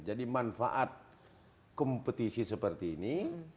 jadi manfaat kompetisi seperti ini